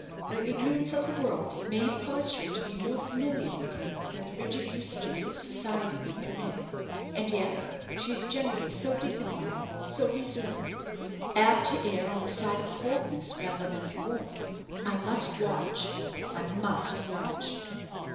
Her ignorance of the world may have caused her to be more familiar with him than the rigid usages of society would permit. And yet she is generally so dignified, so reserved apt to err on the side of coldness rather than of warmth. I must watch! I must watch!"